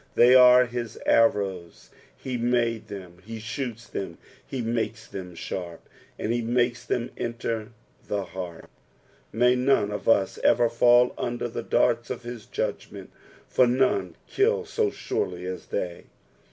They are kii arrows, he mode them, he shoots them. Ho makes them sharp, and he makes them enter the heart. Hay none of us ever fall under the darts .of his judgment, for none kill so surely as they.